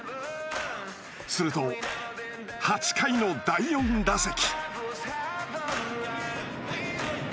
すると８回の第４打席。